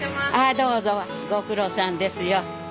どうぞご苦労さんですよ。